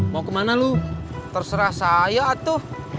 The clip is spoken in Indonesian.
mau kemana lu terserah saya tuh